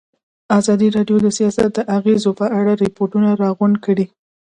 ازادي راډیو د سیاست د اغېزو په اړه ریپوټونه راغونډ کړي.